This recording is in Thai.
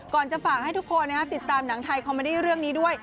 จะฝากให้ทุกคนติดตามหนังไทยคอมเมอดี้เรื่องนี้ด้วย